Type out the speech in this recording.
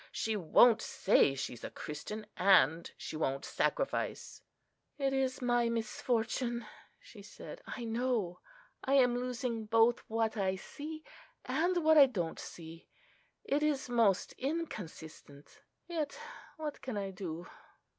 She won't say she's a Christian, and she won't sacrifice!" "It is my misfortune," she said, "I know. I am losing both what I see, and what I don't see. It is most inconsistent: yet what can I do?"